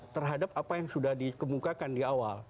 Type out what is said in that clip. terhadap apa yang sudah dikemukakan di awal